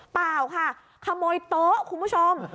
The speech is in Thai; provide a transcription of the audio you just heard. เปล่าค่ะขโมยโต๊ะคุณผู้ชม